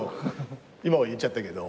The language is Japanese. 今は言っちゃったけど。